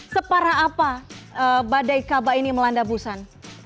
separah apa badai kaba ini melanda busan